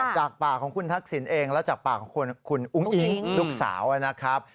จากปากของคุณทักษิณเองและจากปากของคุณอุ้งอิ๊งลูกสาวนะครับ